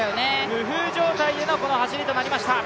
無風状態でのこの走りとなりました。